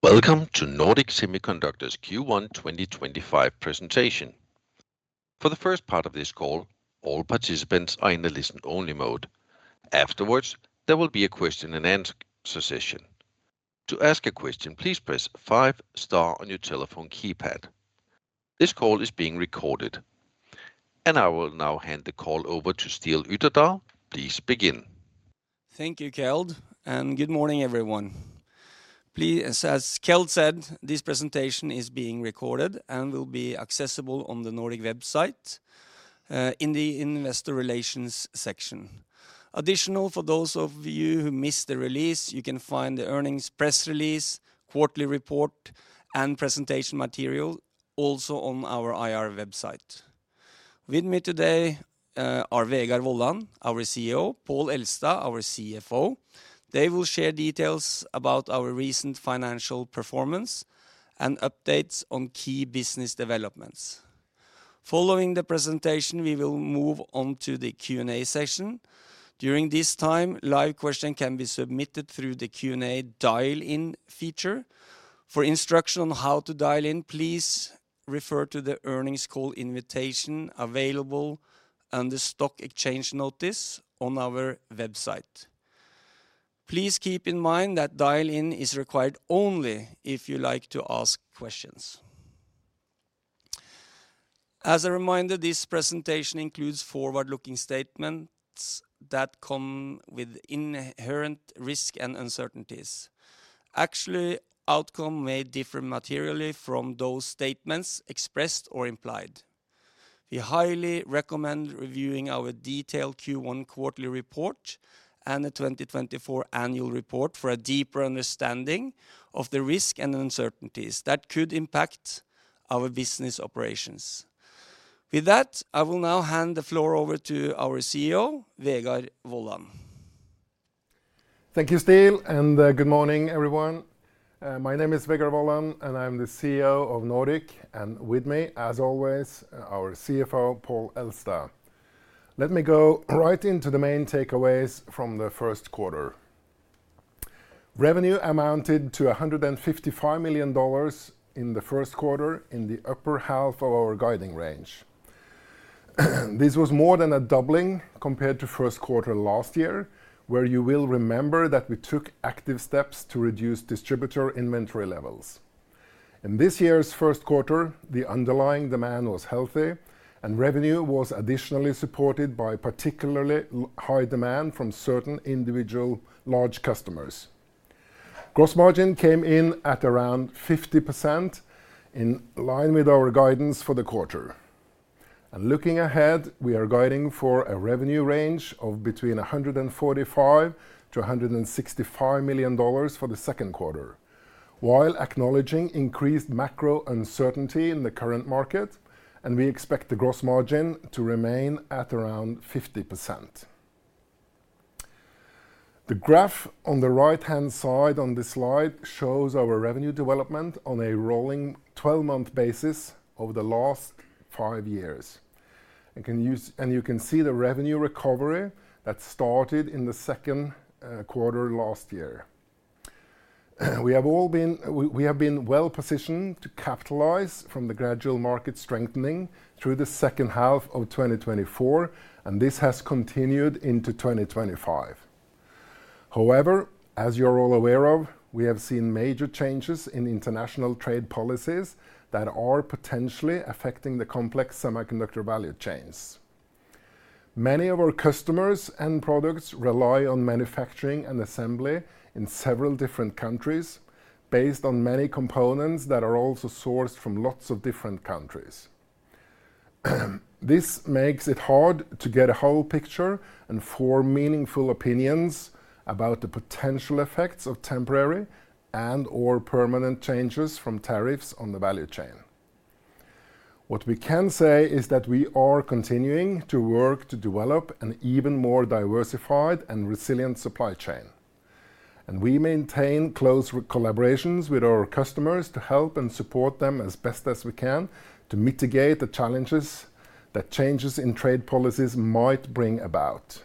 Welcome to Nordic Semiconductor's Q1 2025 presentation. For the first part of this call, all participants are in the listen-only mode. Afterwards, there will be a question-and-answer session. To ask a question, please press five star on your telephone keypad. This call is being recorded, and I will now hand the call over to Ståle Ytterdal. Please begin. Thank you, [Kjeld], and good morning, everyone. Please, as [Kjeld] said, this presentation is being recorded and will be accessible on the Nordic website in the Investor Relations section. Additionally, for those of you who missed the release, you can find the earnings press release, quarterly report, and presentation material also on our IR website. With me today are Vegard Wollan, our CEO, and Pål Elstad, our CFO. They will share details about our recent financial performance and updates on key business developments. Following the presentation, we will move on to the Q&A session. During this time, live questions can be submitted through the Q&A dial-in feature. For instruction on how to dial in, please refer to the earnings call invitation available and the stock exchange notice on our website. Please keep in mind that dial-in is required only if you'd like to ask questions. As a reminder, this presentation includes forward-looking statements that come with inherent risks and uncertainties. Actually, outcomes may differ materially from those statements expressed or implied. We highly recommend reviewing our detailed Q1 quarterly report and the 2024 annual report for a deeper understanding of the risks and uncertainties that could impact our business operations. With that, I will now hand the floor over to our CEO, Vegard Wollan. Thank you, Ståle, and good morning, everyone. My name is Vegard Wollan, and I'm the CEO of Nordic, and with me, as always, our CFO, Pål Elstad. Let me go right into the main takeaways from the first quarter. Revenue amounted to $155 million in the first quarter in the upper half of our guiding range. This was more than a doubling compared to the first quarter last year, where you will remember that we took active steps to reduce distributor inventory levels. In this year's first quarter, the underlying demand was healthy, and revenue was additionally supported by particularly high demand from certain individual large customers. Gross margin came in at around 50%, in line with our guidance for the quarter. Looking ahead, we are guiding for a revenue range of between $145 million-$165 million for the second quarter, while acknowledging increased macro uncertainty in the current market, and we expect the gross margin to remain at around 50%. The graph on the right-hand side on this slide shows our revenue development on a rolling 12-month basis over the last five years. You can see the revenue recovery that started in the second quarter last year. We have been well positioned to capitalize from the gradual market strengthening through the second half of 2024, and this has continued into 2025. However, as you are all aware of, we have seen major changes in international trade policies that are potentially affecting the complex semiconductor value chains. Many of our customers and products rely on manufacturing and assembly in several different countries, based on many components that are also sourced from lots of different countries. This makes it hard to get a whole picture and form meaningful opinions about the potential effects of temporary and/or permanent changes from tariffs on the value chain. What we can say is that we are continuing to work to develop an even more diversified and resilient supply chain. We maintain close collaborations with our customers to help and support them as best as we can to mitigate the challenges that changes in trade policies might bring about.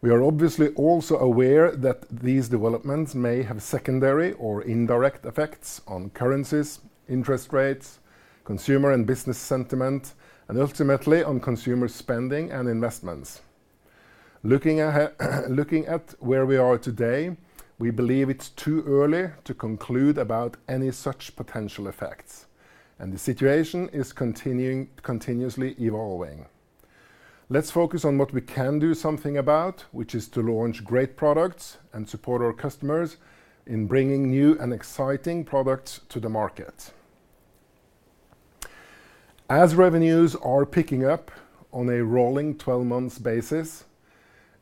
We are obviously also aware that these developments may have secondary or indirect effects on currencies, interest rates, consumer and business sentiment, and ultimately on consumer spending and investments. Looking at where we are today, we believe it's too early to conclude about any such potential effects, and the situation is continuously evolving. Let's focus on what we can do something about, which is to launch great products and support our customers in bringing new and exciting products to the market. As revenues are picking up on a rolling 12-month basis,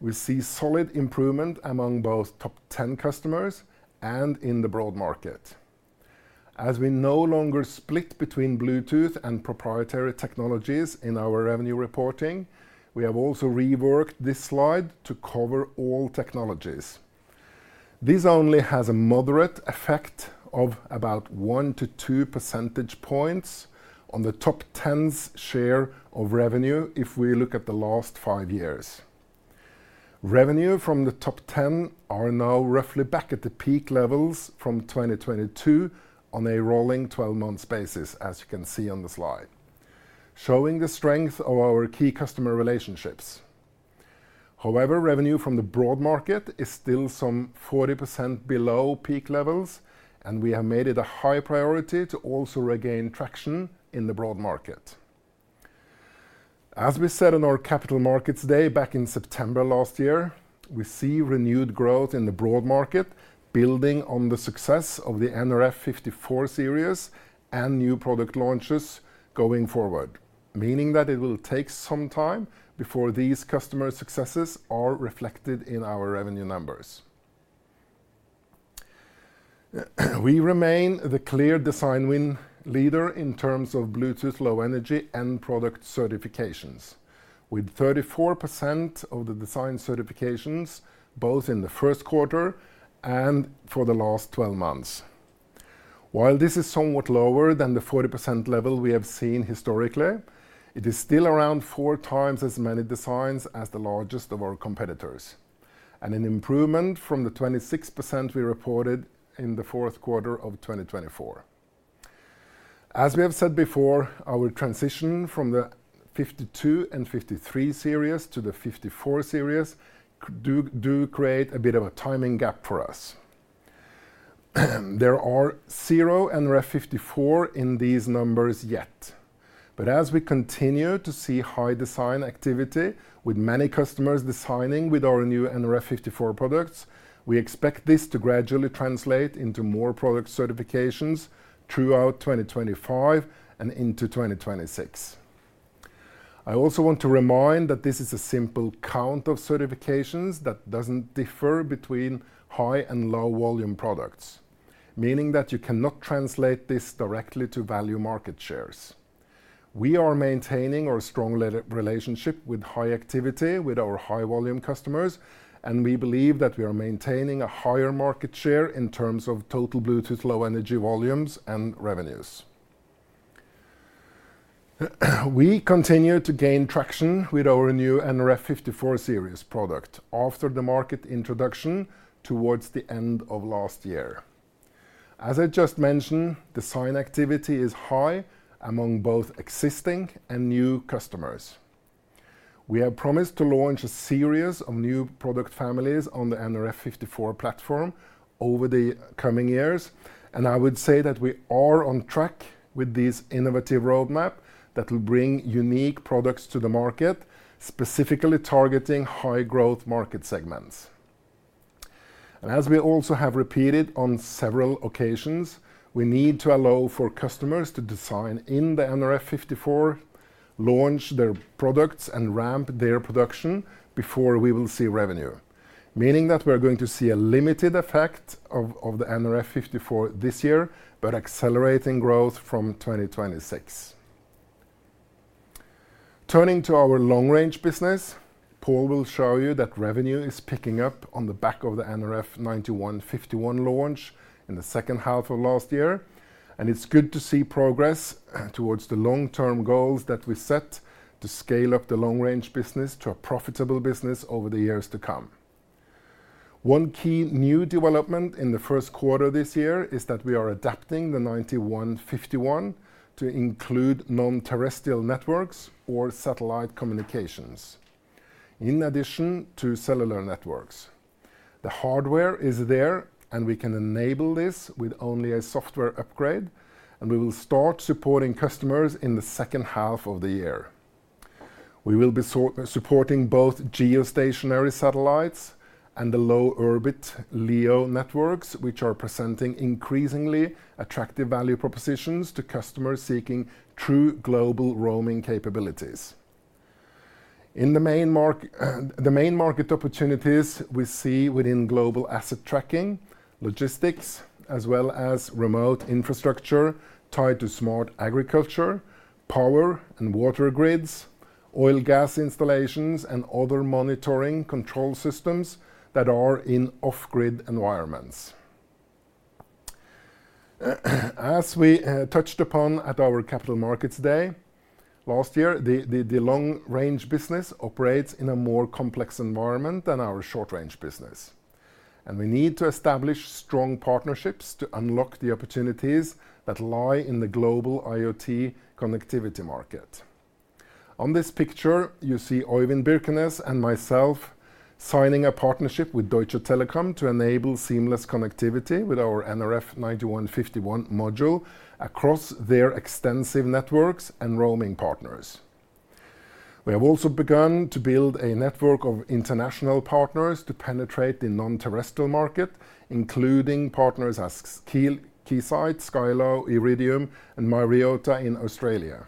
we see solid improvement among both top 10 customers and in the broad market. As we no longer split between Bluetooth and proprietary technologies in our revenue reporting, we have also reworked this slide to cover all technologies. This only has a moderate effect of about 1-2 percentage points on the top 10's share of revenue if we look at the last five years. Revenue from the top 10 are now roughly back at the peak levels from 2022 on a rolling 12-month basis, as you can see on the slide, showing the strength of our key customer relationships. However, revenue from the broad market is still some 40% below peak levels, and we have made it a high priority to also regain traction in the broad market. As we said on our Capital Markets Day back in September last year, we see renewed growth in the broad market, building on the success of the nRF54 series and new product launches going forward, meaning that it will take some time before these customer successes are reflected in our revenue numbers. We remain the clear design win leader in terms of Bluetooth Low Energy and product certifications, with 34% of the design certifications both in the first quarter and for the last 12 months. While this is somewhat lower than the 40% level we have seen historically, it is still around four times as many designs as the largest of our competitors, and an improvement from the 26% we reported in the fourth quarter of 2024. As we have said before, our transition from the 52 and 53 series to the 54 series do create a bit of a timing gap for us. There are zero nRF54 in these numbers yet, but as we continue to see high design activity with many customers designing with our new nRF54 products, we expect this to gradually translate into more product certifications throughout 2025 and into 2026. I also want to remind that this is a simple count of certifications that doesn't differ between high and low volume products, meaning that you cannot translate this directly to value market shares. We are maintaining our strong relationship with high activity with our high volume customers, and we believe that we are maintaining a higher market share in terms of total Bluetooth Low Energy volumes and revenues. We continue to gain traction with our new nRF54 series product after the market introduction towards the end of last year. As I just mentioned, design activity is high among both existing and new customers. We have promised to launch a series of new product families on the nRF54 platform over the coming years, and I would say that we are on track with this innovative roadmap that will bring unique products to the market, specifically targeting high-growth market segments. As we also have repeated on several occasions, we need to allow for customers to design in the nRF54, launch their products, and ramp their production before we will see revenue, meaning that we're going to see a limited effect of the nRF54 this year, but accelerating growth from 2026. Turning to our long-range business, Pål will show you that revenue is picking up on the back of the nRF9151 launch in the second half of last year, and it's good to see progress towards the long-term goals that we set to scale up the long-range business to a profitable business over the years to come. One key new development in the first quarter this year is that we are adapting the nRF9151 to include non-terrestrial networks or satellite communications, in addition to cellular networks. The hardware is there, and we can enable this with only a software upgrade, and we will start supporting customers in the second half of the year. We will be supporting both geostationary satellites and the low-orbit LEO networks, which are presenting increasingly attractive value propositions to customers seeking true global roaming capabilities. In the main market opportunities, we see within global asset tracking, logistics, as well as remote infrastructure tied to smart agriculture, power and water grids, oil-gas installations, and other monitoring control systems that are in off-grid environments. As we touched upon at our Capital Markets Day last year, the long-range business operates in a more complex environment than our short-range business, and we need to establish strong partnerships to unlock the opportunities that lie in the global IoT connectivity market. On this picture, you see Øyvind Birkenes and myself signing a partnership with Deutsche Telekom to enable seamless connectivity with our nRF9151 module across their extensive networks and roaming partners. We have also begun to build a network of international partners to penetrate the non-terrestrial market, including partners as Keysight, Skylo, Iridium, and Myriota in Australia.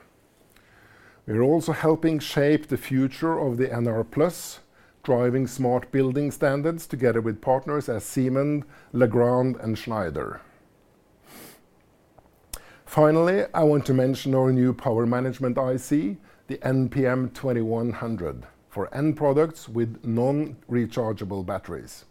We are also helping shape the future of the NR+, driving smart building standards together with partners as Siemens, Legrand, and Schneider. Finally, I want to mention our new Power Management IC, the nPM2100, for end products with non-rechargeable batteries.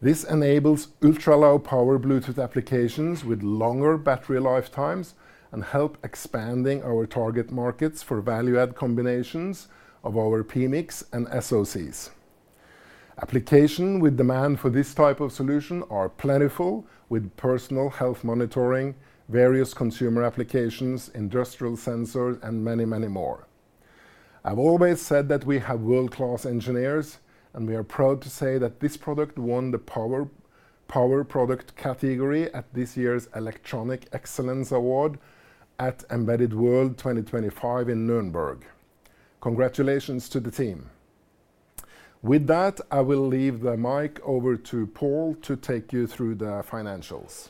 This enables ultra-low-power Bluetooth applications with longer battery lifetimes and helps expand our target markets for value-add combinations of our PMICs and SoCs. Applications with demand for this type of solution are plentiful, with personal health monitoring, various consumer applications, industrial sensors, and many, many more. I've always said that we have world-class engineers, and we are proud to say that this product won the Power Product category at this year's Electronic Excellence Award at Embedded World 2025 in Nürnberg. Congratulations to the team. With that, I will leave the mic over to Pål to take you through the financials.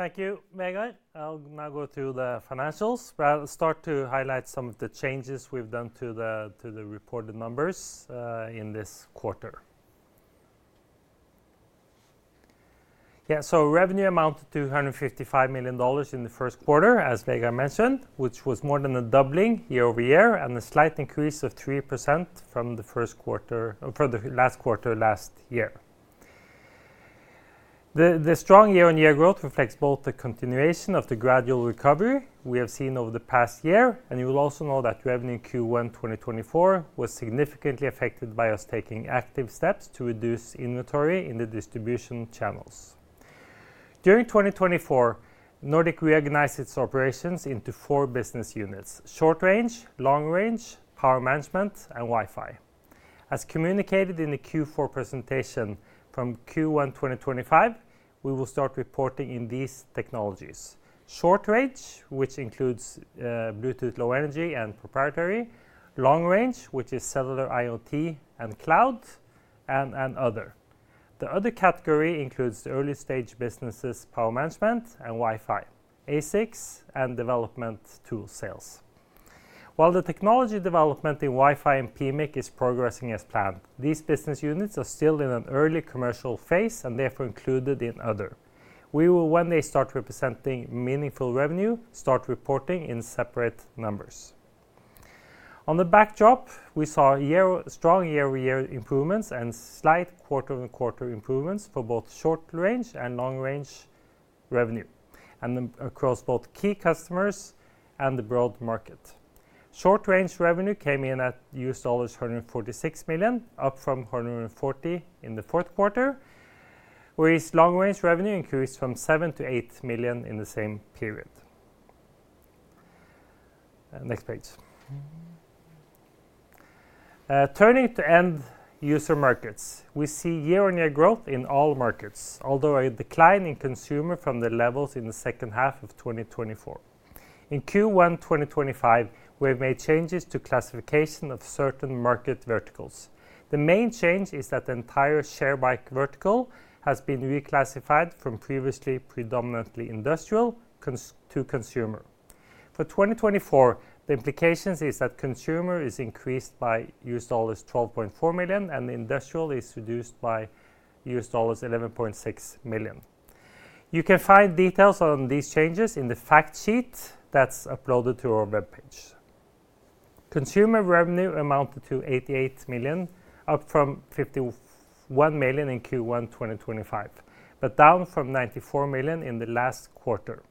Thank you, Vegard. I'll now go to the financials. I'll start to highlight some of the changes we've done to the reported numbers in this quarter. Yeah, so revenue amounted to $155 million in the first quarter, as Vegard mentioned, which was more than a doubling year-over-year and a slight increase of 3% from the last quarter last year. The strong year-on-year growth reflects both the continuation of the gradual recovery we have seen over the past year, and you will also know that revenue Q1 2024 was significantly affected by us taking active steps to reduce inventory in the distribution channels. During 2024, Nordic reorganized its operations into four business units: Short Range, Long Range, Power Management, and Wi-Fi. As communicated in the Q4 presentation from Q1 2025, we will start reporting in these technologies: short range, which includes Bluetooth Low Energy and proprietary; long range, which is cellular IoT and cloud; and other. The other category includes the early-stage businesses' power management and Wi-Fi, ASICs, and development tool sales. While the technology development in Wi-Fi and PMIC is progressing as planned, these business units are still in an early commercial phase and therefore included in other. We will, when they start representing meaningful revenue, start reporting in separate numbers. On the backdrop, we saw strong year-over-year improvements and slight quarter-on-quarter improvements for both short-range and long-range revenue across both key customers and the broad market. Short-range revenue came in at $146 million, up from $140 million in the fourth quarter, whereas long-range revenue increased from $7 million-$8 million in the same period. Next page. Turning to end user markets, we see year-on-year growth in all markets, although a decline in consumer from the levels in the second half of 2024. In Q1 2025, we have made changes to classification of certain market verticals. The main change is that the entire share bike vertical has been reclassified from previously predominantly industrial to consumer. For 2024, the implication is that consumer is increased by $12.4 million, and the industrial is reduced by $11.6 million. You can find details on these changes in the fact sheet that is uploaded to our webpage. Consumer revenue amounted to $88 million, up from $51 million in Q1 2025, but down from $94 million in the last quarter.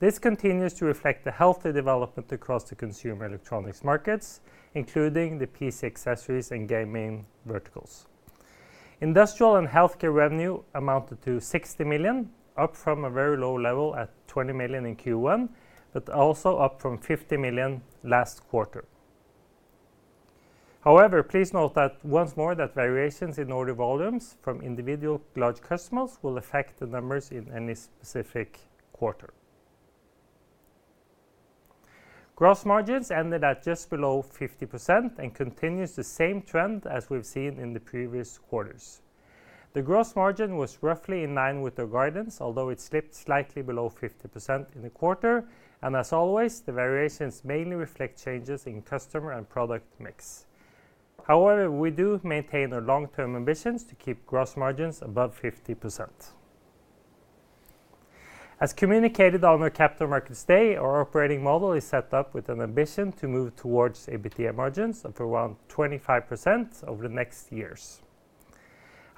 This continues to reflect the healthy development across the consumer electronics markets, including the PC accessories and gaming verticals. Industrial and Healthcare revenue amounted to 60 million, up from a very low level at 20 million in Q1, but also up from 50 million last quarter. However, please note that once more that variations in order volumes from individual large customers will affect the numbers in any specific quarter. Gross margins ended at just below 50% and continue the same trend as we've seen in the previous quarters. The gross margin was roughly in line with the guidance, although it slipped slightly below 50% in the quarter, and as always, the variations mainly reflect changes in customer and product mix. However, we do maintain our long-term ambitions to keep gross margins above 50%. As communicated on our Capital Markets Day, our operating model is set up with an ambition to move towards EBITDA margins of around 25% over the next years.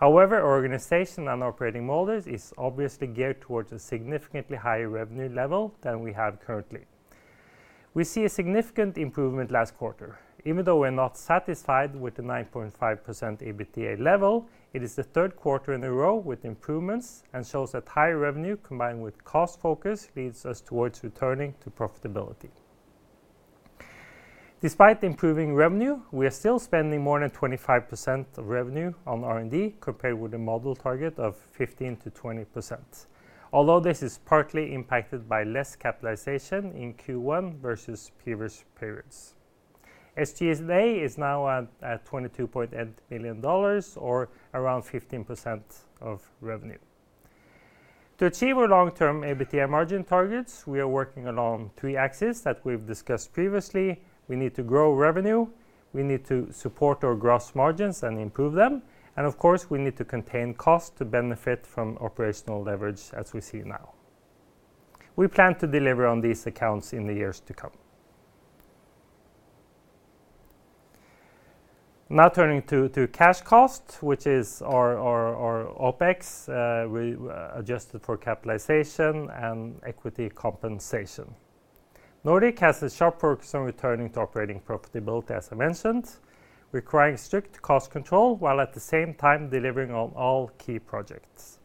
However, our organization and operating model is obviously geared towards a significantly higher revenue level than we have currently. We see a significant improvement last quarter. Even though we're not satisfied with the 9.5% EBITDA level, it is the third quarter in a row with improvements and shows that high revenue combined with cost focus leads us towards returning to profitability. Despite improving revenue, we are still spending more than 25% of revenue on R&D compared with the model target of 15%-20%, although this is partly impacted by less capitalization in Q1 versus previous periods. SG&A is now at $22.8 million, or around 15% of revenue. To achieve our long-term EBITDA margin targets, we are working along three axes that we've discussed previously. We need to grow revenue. We need to support our gross margins and improve them. Of course, we need to contain costs to benefit from operational leverage as we see now. We plan to deliver on these accounts in the years to come. Now turning to cash costs, which is our OPEX, we adjusted for capitalization and equity compensation. Nordic has a sharp focus on returning to operating profitability, as I mentioned, requiring strict cost control while at the same time delivering on all key projects.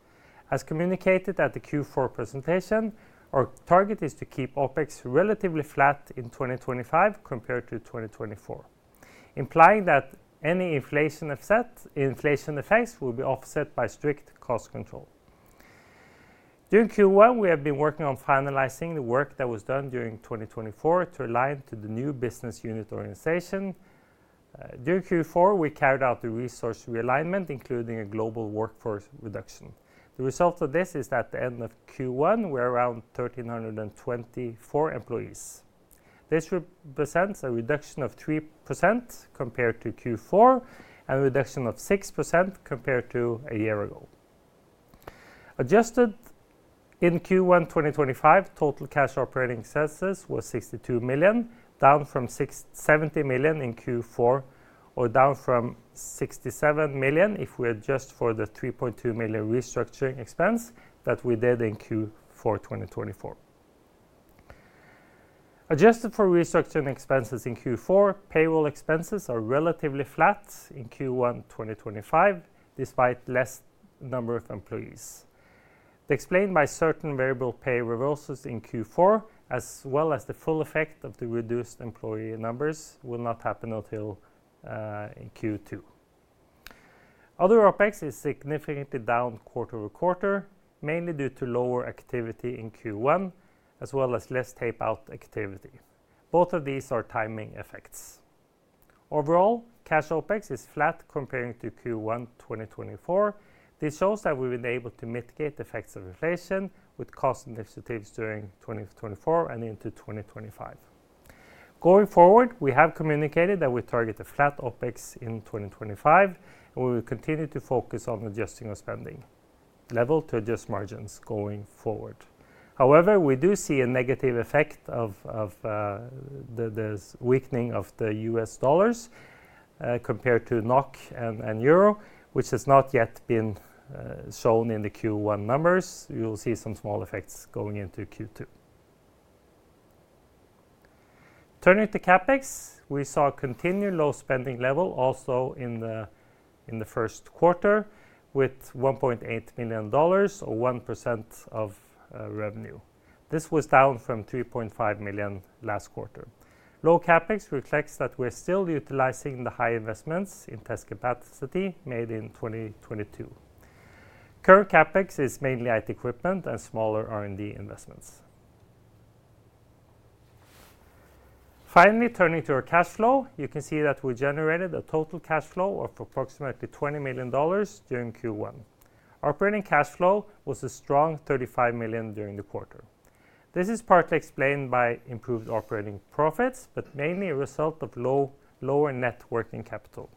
As communicated at the Q4 presentation, our target is to keep OPEX relatively flat in 2025 compared to 2024, implying that any inflation effects will be offset by strict cost control. During Q1, we have been working on finalizing the work that was done during 2024 to align to the new business unit organization. During Q4, we carried out the resource realignment, including a global workforce reduction. The result of this is that at the end of Q1, we're around 1,324 employees. This represents a reduction of 3% compared to Q4 and a reduction of 6% compared to a year ago. Adjusted in Q1 2025, total cash operating expenses was $62 million, down from $70 million in Q4, or down from $67 million if we adjust for the $3.2 million restructuring expense that we did in Q4 2024. Adjusted for restructuring expenses in Q4, payroll expenses are relatively flat in Q1 2025 despite a lesser number of employees. Explained by certain variable pay reversals in Q4, as well as the full effect of the reduced employee numbers will not happen until Q2. Other OPEX is significantly down quarter-over-quarter, mainly due to lower activity in Q1, as well as less tape-out activity. Both of these are timing effects. Overall, cash OPEX is flat comparing to Q1 2024. This shows that we've been able to mitigate the effects of inflation with cost initiatives during 2024 and into 2025. Going forward, we have communicated that we target a flat OPEX in 2025, and we will continue to focus on adjusting our spending level to adjust margins going forward. However, we do see a negative effect of the weakening of the US dollar compared to NOK and Euro, which has not yet been shown in the Q1 numbers. You'll see some small effects going into Q2. Turning to CapEx, we saw a continued low spending level also in the first quarter with $1.8 million or 1% of revenue. This was down from $3.5 million last quarter. Low CapEx reflects that we're still utilizing the high investments in test capacity made in 2022. Current CapEx is mainly IT equipment and smaller R&D investments. Finally, turning to our cash flow, you can see that we generated a total cash flow of approximately $20 million during Q1. Operating cash flow was a strong $35 million during the quarter. This is partly explained by improved operating profits, but mainly a result of lower net working capital.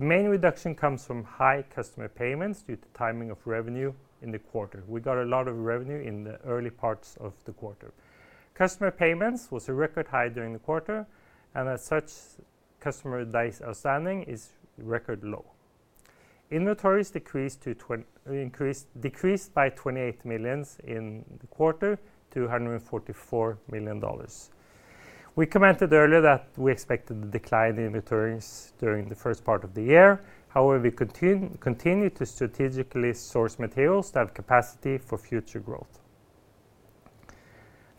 The main reduction comes from high customer payments due to timing of revenue in the quarter. We got a lot of revenue in the early parts of the quarter. Customer payments was a record high during the quarter, and as such, customer days outstanding is record low. Inventories decreased by $28 million in the quarter to $144 million. We commented earlier that we expected a decline in inventories during the first part of the year. However, we continue to strategically source materials to have capacity for future growth.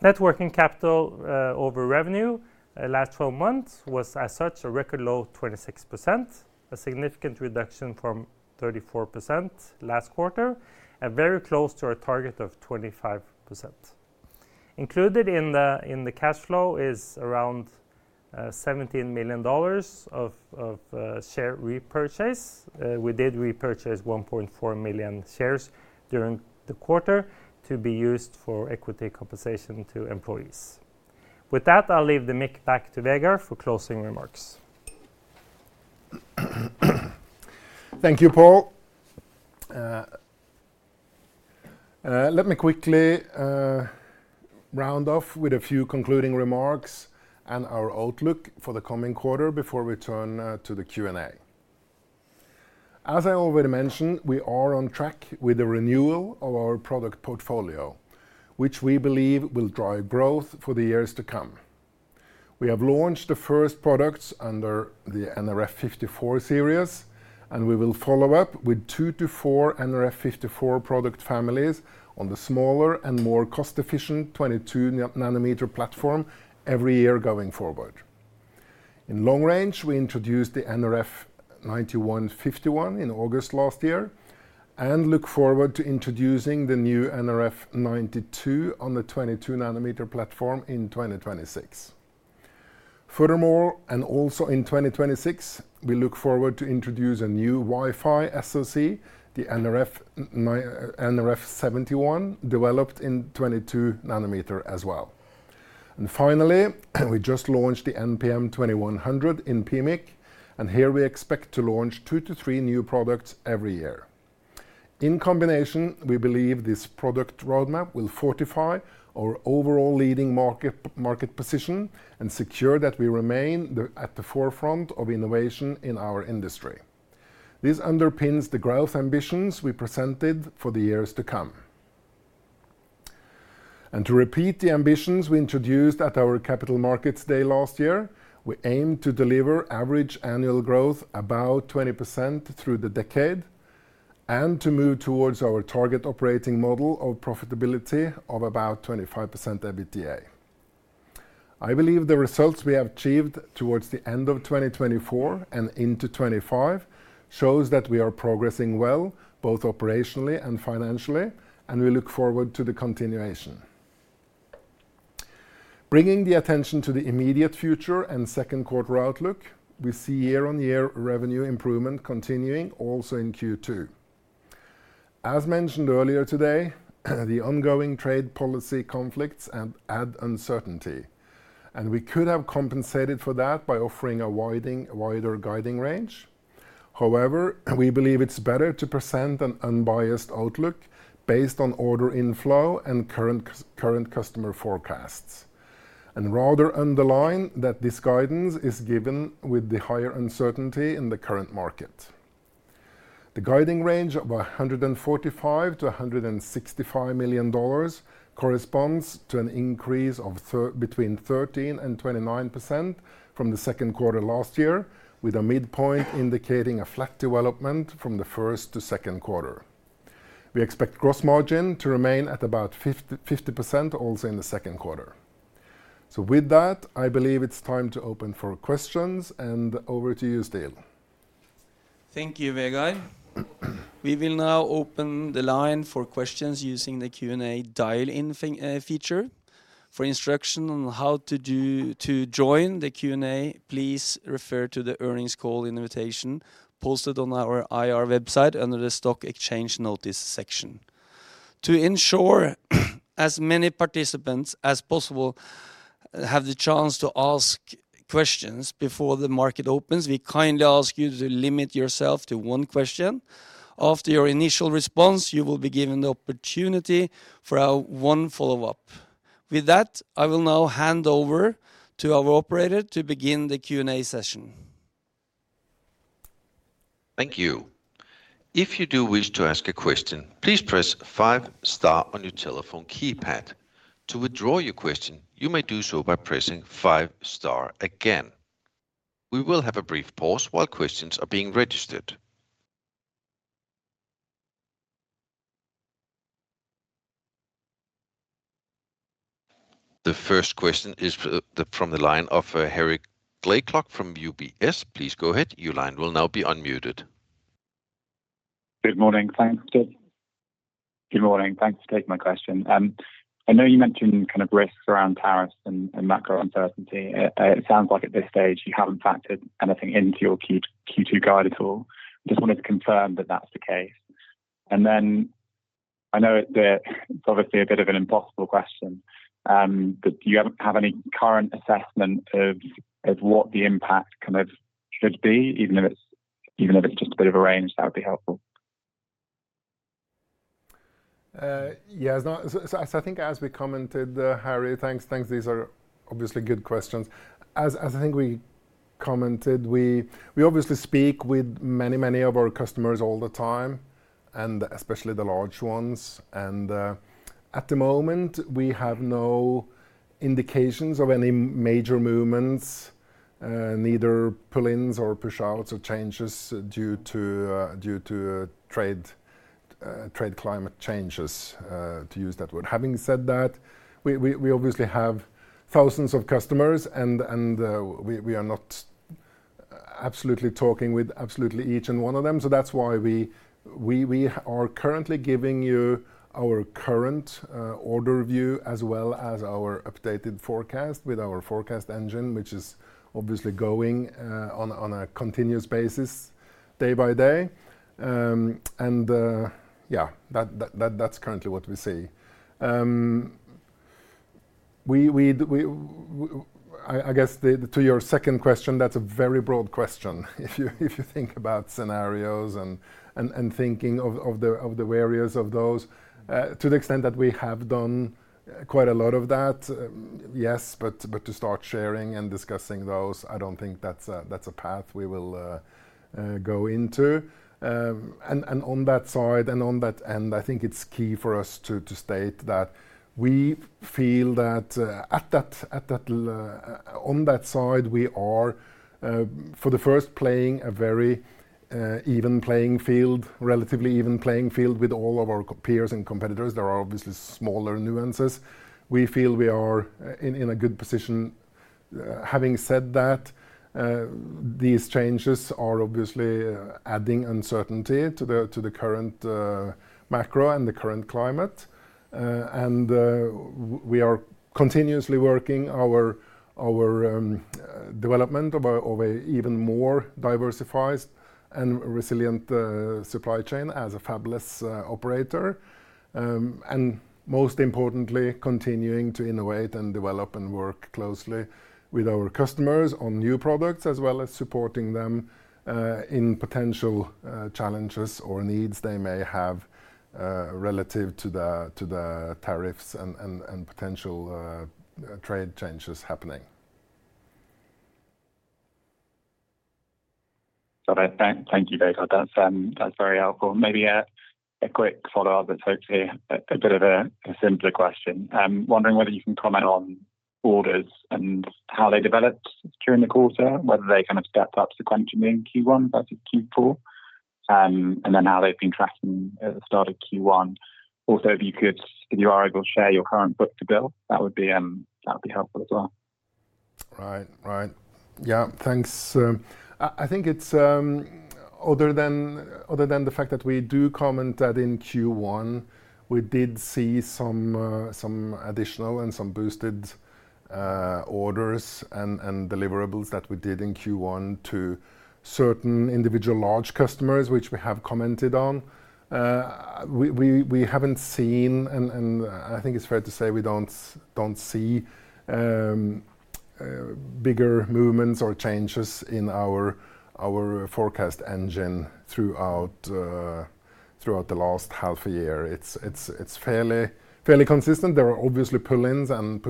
Networking capital over revenue last 12 months was, as such, a record low of 26%, a significant reduction from 34% last quarter, and very close to our target of 25%. Included in the cash flow is around $17 million of share repurchase. We did repurchase 1.4 million shares during the quarter to be used for equity compensation to employees. With that, I'll leave the mic back to Vegard for closing remarks. Thank you, Pål. Let me quickly round off with a few concluding remarks and our outlook for the coming quarter before we turn to the Q&A. As I already mentioned, we are on track with the renewal of our product portfolio, which we believe will drive growth for the years to come. We have launched the first products under the nRF54 series, and we will follow up with two to four nRF54 product families on the smaller and more cost-efficient 22nm platform every year going forward. In long range, we introduced the nRF9151 in August last year and look forward to introducing the new nRF92 on the 22nm platform in 2026. Furthermore, and also in 2026, we look forward to introducing a new Wi-Fi SoC, the nRF71, developed in 22nm as well. Finally, we just launched the nPM2100 in PMIC, and here we expect to launch two to three new products every year. In combination, we believe this product roadmap will fortify our overall leading market position and secure that we remain at the forefront of innovation in our industry. This underpins the growth ambitions we presented for the years to come. To repeat the ambitions we introduced at our Capital Markets Day last year, we aim to deliver average annual growth of about 20% through the decade and to move towards our target operating model of profitability of about 25% EBITDA. I believe the results we have achieved towards the end of 2024 and into 2025 show that we are progressing well, both operationally and financially, and we look forward to the continuation. Bringing the attention to the immediate future and second quarter outlook, we see year-on-year revenue improvement continuing also in Q2. As mentioned earlier today, the ongoing trade policy conflicts add uncertainty, and we could have compensated for that by offering a wider guiding range. However, we believe it's better to present an unbiased outlook based on order inflow and current customer forecasts and rather underline that this guidance is given with the higher uncertainty in the current market. The guiding range of $145 million-$165 million corresponds to an increase of between 13% and 29% from the second quarter last year, with a midpoint indicating a flat development from the first to second quarter. We expect gross margin to remain at about 50% also in the second quarter. With that, I believe it's time to open for questions, and over to you, Ståle. Thank you, Vegard. We will now open the line for questions using the Q&A dial-in feature. For instruction on how to join the Q&A, please refer to the earnings call invitation posted on our IR website under the Stock Exchange Notice section. To ensure as many participants as possible have the chance to ask questions before the market opens, we kindly ask you to limit yourself to one question. After your initial response, you will be given the opportunity for one follow-up. With that, I will now hand over to our operator to begin the Q&A session. Thank you. If you do wish to ask a question, please press five star on your telephone keypad. To withdraw your question, you may do so by pressing five star again. We will have a brief pause while questions are being registered. The first question is from the line of Harry Blaiklock from UBS. Please go ahead. Your line will now be unmuted. Good morning. Thanks for taking my question. I know you mentioned kind of risks around tariffs and macro uncertainty. It sounds like at this stage you have not factored anything into your Q2 guide at all. I just wanted to confirm that that is the case. I know it is obviously a bit of an impossible question, but do you have any current assessment of what the impact kind of should be? Even if it is just a bit of a range, that would be helpful. Yeah, I think as we commented, Harry, thanks. These are obviously good questions. I think we commented, we obviously speak with many, many of our customers all the time, and especially the large ones. At the moment, we have no indications of any major movements, neither pull-ins or push-outs or changes due to trade climate changes, to use that word. Having said that, we obviously have thousands of customers, and we are not absolutely talking with absolutely each and one of them. That's why we are currently giving you our current order view as well as our updated forecast with our forecast engine, which is obviously going on a continuous basis day-by-day. Yeah, that's currently what we see. I guess to your second question, that's a very broad question. If you think about scenarios and thinking of the various of those, to the extent that we have done quite a lot of that, yes, but to start sharing and discussing those, I do not think that is a path we will go into. On that side and on that end, I think it is key for us to state that we feel that on that side, we are, for the first, playing a very even playing field, relatively even playing field with all of our peers and competitors. There are obviously smaller nuances. We feel we are in a good position. Having said that, these changes are obviously adding uncertainty to the current macro and the current climate. We are continuously working our development of an even more diversified and resilient supply chain as a fabless operator. Most importantly, continuing to innovate and develop and work closely with our customers on new products, as well as supporting them in potential challenges or needs they may have relative to the tariffs and potential trade changes happening. Thank you, Vegard. That's very helpful. Maybe a quick follow-up, but hopefully a bit of a simpler question. I'm wondering whether you can comment on orders and how they developed during the quarter, whether they kind of stepped up sequentially in Q1 versus Q4, and then how they've been tracking at the start of Q1. Also, if you could, if you are able to share your current book to bill, that would be helpful as well. Right, right. Yeah, thanks. I think it's other than the fact that we do comment that in Q1, we did see some additional and some boosted orders and deliverables that we did in Q1 to certain individual large customers, which we have commented on. We haven't seen, and I think it's fair to say we don't see bigger movements or changes in our forecast engine throughout the last half a year. It's fairly consistent. There are obviously pull-ins and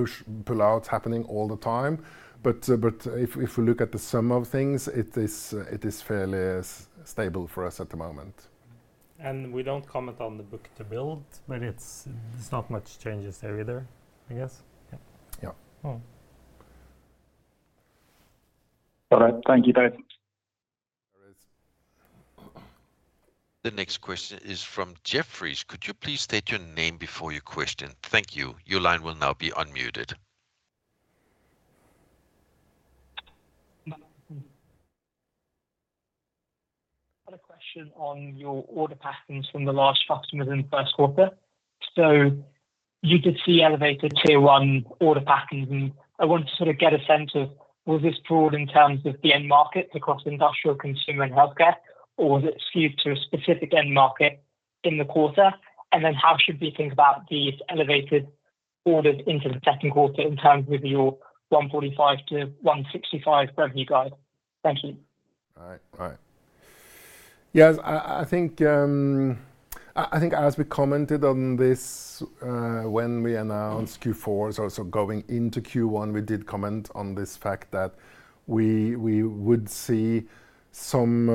pull-outs happening all the time. If we look at the sum of things, it is fairly stable for us at the moment. We do not comment on the book to build, but there is not much change there either, I guess. Yeah. All right. Thank you both. The next question is from Jefferies. Could you please state your name before your question? Thank you. Your line will now be unmuted. I have a question on your order patterns from the large customers in the first quarter. You did see elevated tier one order patterns. I want to sort of get a sense of, was this broad in terms of the end markets across industrial, consumer, and healthcare, or was it skewed to a specific end market in the quarter? How should we think about these elevated orders into the second quarter in terms of your 145-165 revenue guide? Thank you. All right, all right. Yeah, I think as we commented on this when we announced Q4, also going into Q1, we did comment on this fact that we would see some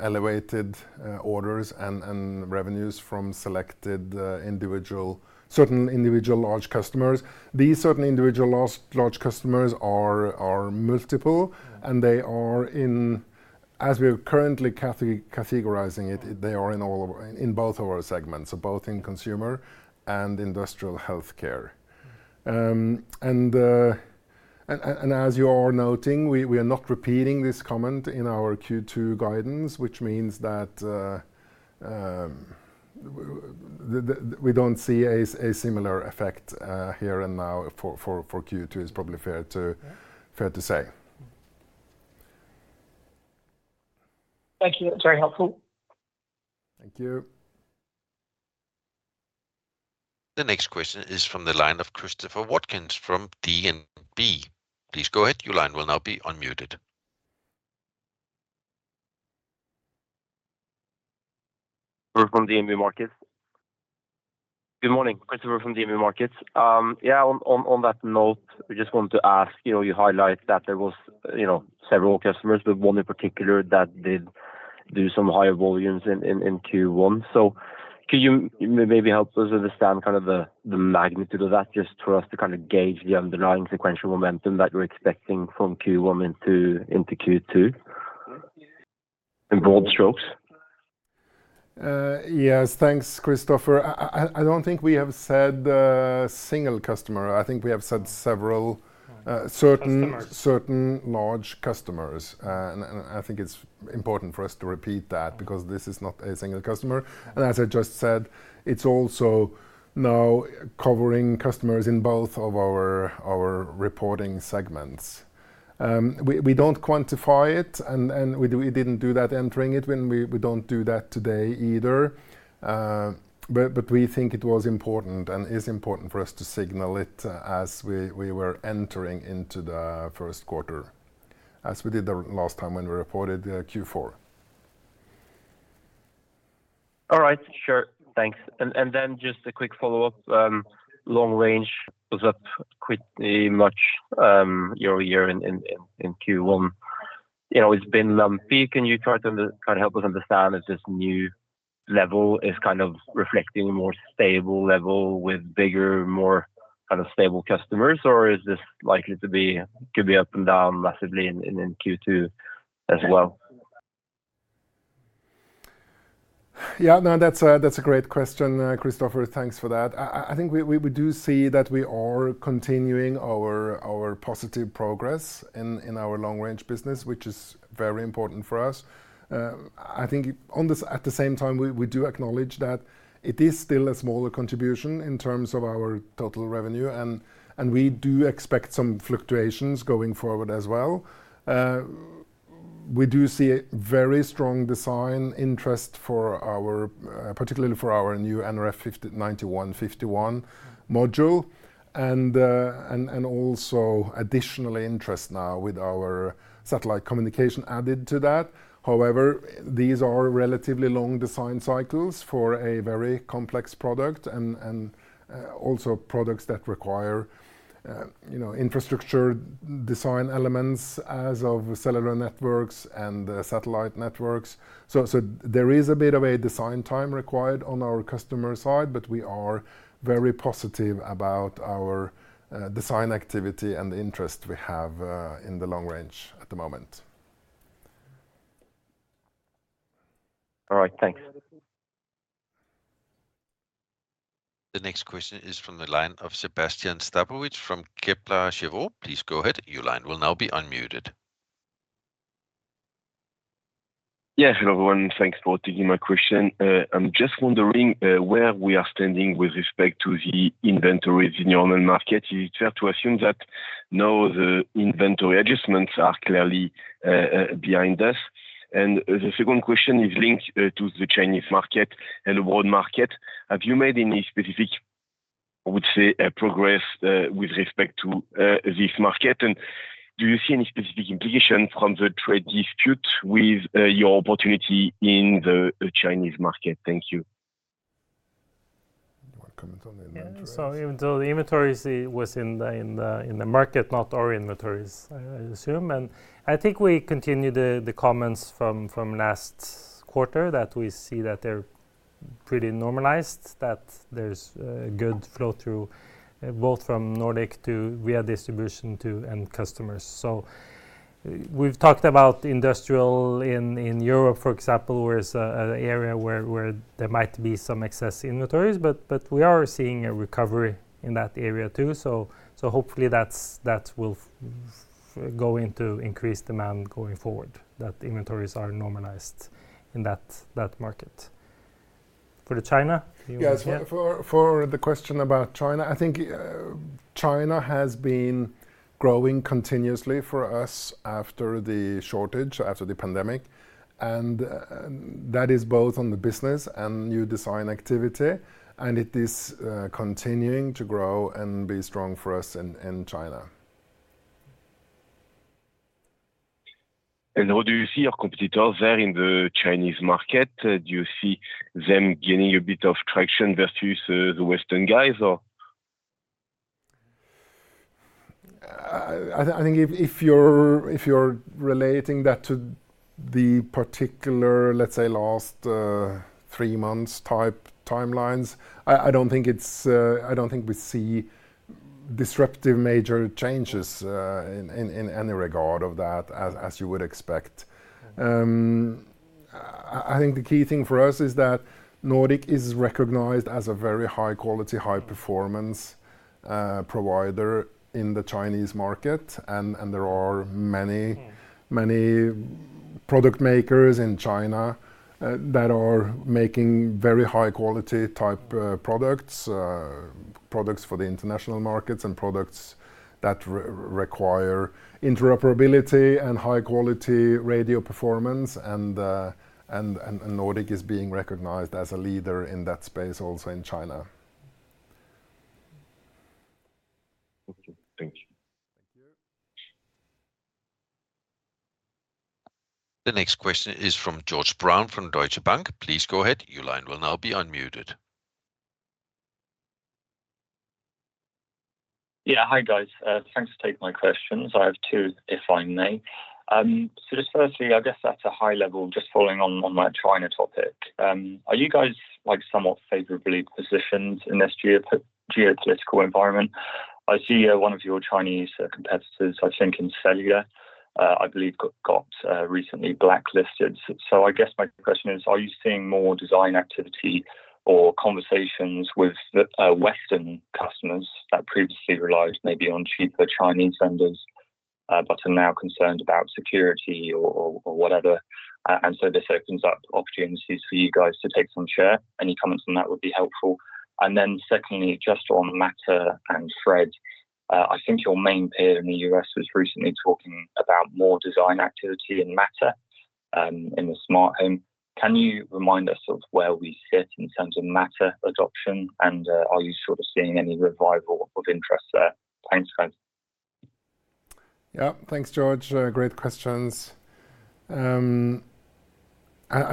elevated orders and revenues from selected individual, certain individual large customers. These certain individual large customers are multiple, and they are in, as we are currently categorizing it, they are in both of our segments, both in consumer and industrial healthcare. As you are noting, we are not repeating this comment in our Q2 guidance, which means that we do not see a similar effect here and now for Q2, is probably fair to say. Thank you. That's very helpful. Thank you. The next question is from the line of Christoffer Bjørnsen from DNB. Please go ahead. Your line will now be unmuted. Good morning. Christoffer from DNB Markets. Yeah, on that note, I just want to ask, you highlight that there were several customers, but one in particular that did do some higher volumes in Q1. Can you maybe help us understand kind of the magnitude of that just for us to kind of gauge the underlying sequential momentum that we're expecting from Q1 into Q2? In broad strokes. Yes, thanks, Christoffer. I don't think we have said single customer. I think we have said several certain large customers. I think it's important for us to repeat that because this is not a single customer. As I just said, it's also now covering customers in both of our reporting segments. We don't quantify it, and we didn't do that entering it, and we don't do that today either. We think it was important and is important for us to signal it as we were entering into the first quarter, as we did the last time when we reported Q4. All right. Sure. Thanks. Just a quick follow-up. Long range was up quite much year-over-year in Q1. It's been lumpy. Can you try to kind of help us understand if this new level is kind of reflecting a more stable level with bigger, more kind of stable customers, or is this likely to be up and down massively in Q2 as well? Yeah, no, that's a great question, Christopher. Thanks for that. I think we do see that we are continuing our positive progress in our long-range business, which is very important for us. I think at the same time, we do acknowledge that it is still a smaller contribution in terms of our total revenue, and we do expect some fluctuations going forward as well. We do see very strong design interest for our, particularly for our new nRF9151 module, and also additional interest now with our satellite communication added to that. However, these are relatively long design cycles for a very complex product and also products that require infrastructure design elements as of cellular networks and satellite networks. There is a bit of a design time required on our customer side, but we are very positive about our design activity and the interest we have in the long range at the moment. All right, thanks. The next question is from the line of Sébastien Sztabowicz from Kepler Cheuvreux. Please go ahead. Your line will now be unmuted. Yes, hello everyone. Thanks for taking my question. I'm just wondering where we are standing with respect to the inventory in the normal market. Is it fair to assume that now the inventory adjustments are clearly behind us? The second question is linked to the Chinese market and the world market. Have you made any specific, I would say, progress with respect to this market? Do you see any specific implication from the trade dispute with your opportunity in the Chinese market? Thank you. Sorry, even though the inventory was in the market, not our inventories, I assume. I think we continue the comments from last quarter that we see that they're pretty normalized, that there's good flow-through both from Nordic to via distribution to end customers. We have talked about industrial in Europe, for example, where it's an area where there might be some excess inventories, but we are seeing a recovery in that area too. Hopefully that will go into increased demand going forward, that inventories are normalized in that market. For China? Yes, for the question about China, I think China has been growing continuously for us after the shortage, after the pandemic. That is both on the business and new design activity, and it is continuing to grow and be strong for us in China. How do you see your competitors there in the Chinese market? Do you see them gaining a bit of traction versus the Western guys, or? I think if you're relating that to the particular, let's say, last three months' timelines, I don't think we see disruptive major changes in any regard of that, as you would expect. I think the key thing for us is that Nordic is recognized as a very high-quality, high-performance provider in the Chinese market. There are many product makers in China that are making very high-quality type products, products for the international markets, and products that require interoperability and high-quality radio performance. Nordic is being recognized as a leader in that space also in China. Thank you. Thank you. The next question is from George Brown from Deutsche Bank. Please go ahead. Your line will now be unmuted. Yeah, hi guys. Thanks for taking my questions. I have two if I may. Firstly, I guess at a high level, just following on that China topic, are you guys somewhat favorably positioned in this geopolitical environment? I see one of your Chinese competitors, I think, in cellular, I believe, got recently blacklisted. I guess my question is, are you seeing more design activity or conversations with Western customers that previously relied maybe on cheaper Chinese vendors, but are now concerned about security or whatever? This opens up opportunities for you guys to take some share. Any comments on that would be helpful. Secondly, just on Matter and Thread, I think your main peer in the US was recently talking about more design activity in Matter in the smart home. Can you remind us of where we sit in terms of matter adoption, and are you sort of seeing any revival of interest there? Thanks, guys. Yeah, thanks, George. Great questions. I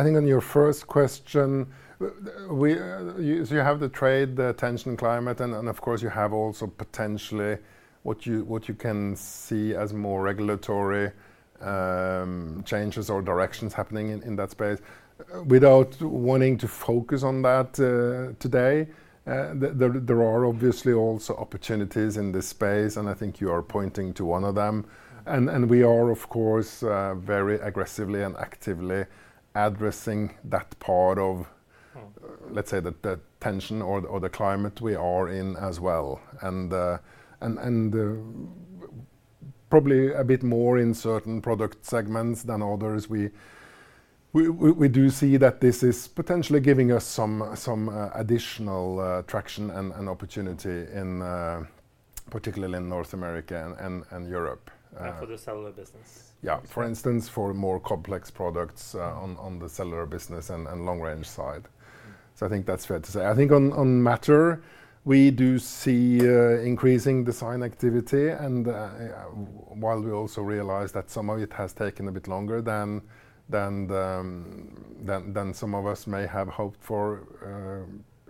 think on your first question, you have the trade, the tension, climate, and of course, you have also potentially what you can see as more regulatory changes or directions happening in that space. Without wanting to focus on that today, there are obviously also opportunities in this space, and I think you are pointing to one of them. We are, of course, very aggressively and actively addressing that part of, let's say, the tension or the climate we are in as well. Probably a bit more in certain product segments than others, we do see that this is potentially giving us some additional traction and opportunity, particularly in North America and Europe. For the cellular business. Yeah, for instance, for more complex products on the cellular business and long-range side. I think that's fair to say. I think on matter, we do see increasing design activity, and while we also realize that some of it has taken a bit longer than some of us may have hoped for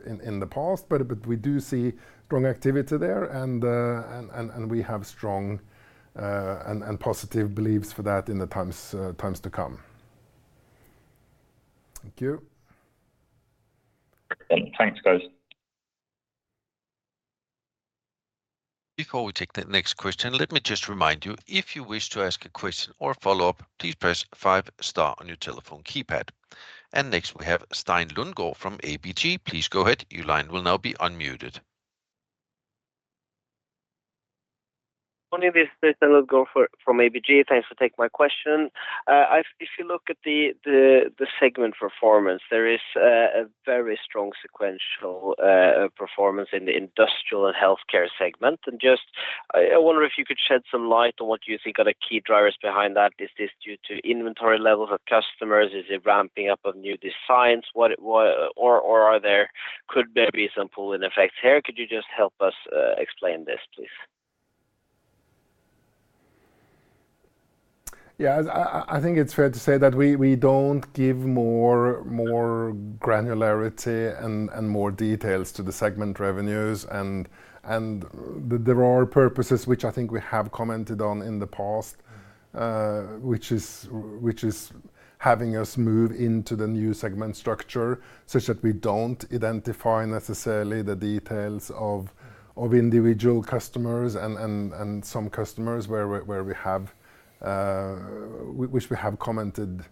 in the past, we do see strong activity there, and we have strong and positive beliefs for that in the times to come. Thank you. Thanks, guys. Before we take the next question, let me just remind you, if you wish to ask a question or follow-up, please press five star on your telephone keypad. Next, we have Øystein Lodgaard from ABG. Please go ahead. Your line will now be unmuted. Good morning, this is Øystein Lodgaard from ABG. Thanks for taking my question. If you look at the segment performance, there is a very strong sequential performance in the industrial and healthcare segment. I just wonder if you could shed some light on what you think are the key drivers behind that. Is this due to inventory levels of customers? Is it ramping up of new designs? Could there be some pulling effects here? Could you just help us explain this, please? Yeah, I think it's fair to say that we don't give more granularity and more details to the segment revenues. There are purposes, which I think we have commented on in the past, which is having us move into the new segment structure such that we don't identify necessarily the details of individual customers and some customers which we have commented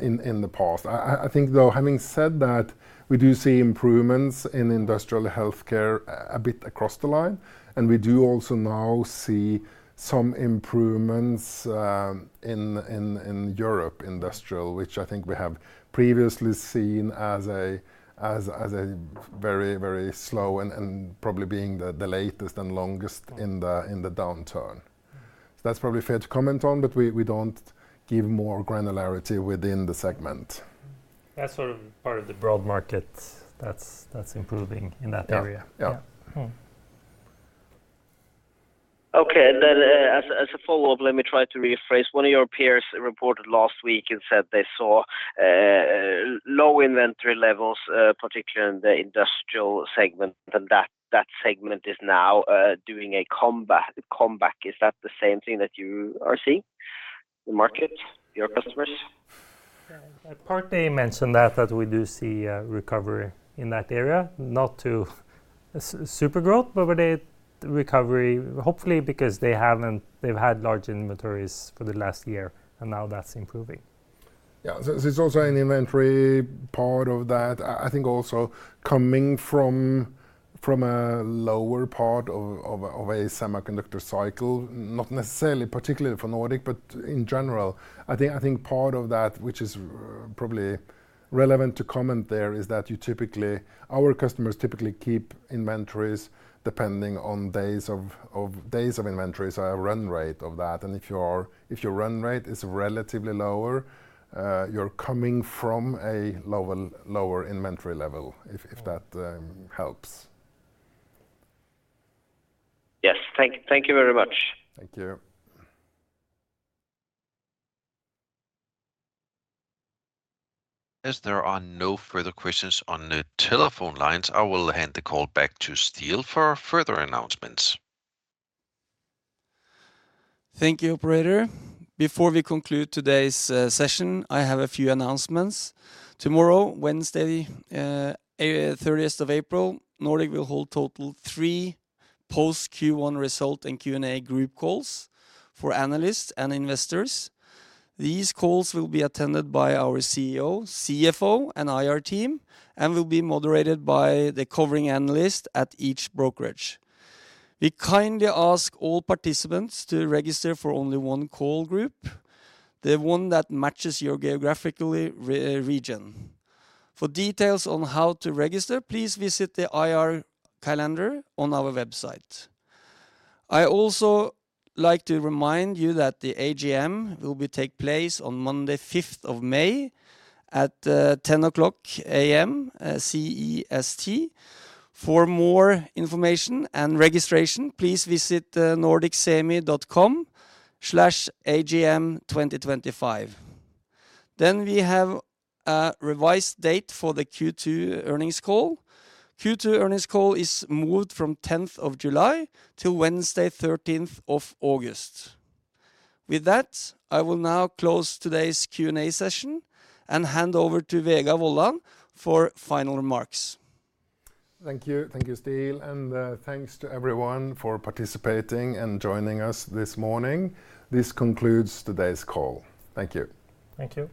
in the past. I think, though, having said that, we do see improvements in industrial healthcare a bit across the line. We do also now see some improvements in Europe industrial, which I think we have previously seen as a very, very slow and probably being the latest and longest in the downturn. That's probably fair to comment on, but we don't give more granularity within the segment. That's sort of part of the broad market that's improving in that area. Yeah. Okay. As a follow-up, let me try to rephrase. One of your peers reported last week and said they saw low inventory levels, particularly in the industrial segment, and that segment is now doing a comeback. Is that the same thing that you are seeing in the market, your customers? Partly, they mentioned that we do see recovery in that area. Not to super growth, but recovery, hopefully, because they've had large inventories for the last year, and now that's improving. Yeah. It is also an inventory part of that. I think also coming from a lower part of a semiconductor cycle, not necessarily particularly for Nordic, but in general. I think part of that, which is probably relevant to comment there, is that our customers typically keep inventories depending on days of inventory, so a run rate of that. If your run rate is relatively lower, you're coming from a lower inventory level, if that helps. Yes. Thank you very much. Thank you. As there are no further questions on the telephone lines, I will hand the call back to Ståle for further announcements. Thank you, Operator. Before we conclude today's session, I have a few announcements. Tomorrow, Wednesday, 30th of April, Nordic will hold total three post-Q1 result and Q&A group calls for analysts and investors. These calls will be attended by our CEO, CFO, and IR team, and will be moderated by the covering analyst at each brokerage. We kindly ask all participants to register for only one call group, the one that matches your geographical region. For details on how to register, please visit the IR calendar on our website. I also like to remind you that the AGM will take place on Monday, 5th of May, at 10:00 A.M. CEST. For more information and registration, please visit nordicseemi.com/agm2025. We have a revised date for the Q2 earnings call. Q2 earnings call is moved from 10th of July to Wednesday, 13th of August. With that, I will now close today's Q&A session and hand over to Vegard Wollan for final remarks. Thank you. Thank you, Ståle. And thanks to everyone for participating and joining us this morning. This concludes today's call. Thank you. Thank you.